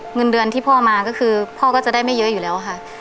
เงินเดือนที่พ่อมาก็คือพ่อก็จะได้ไม่เยอะอยู่แล้วค่ะ